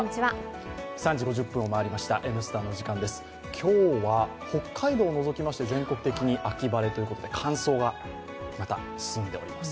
今日は北海道を除きまして全国的に秋晴れというととで、乾燥がまた進んでおります。